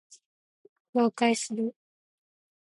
了解する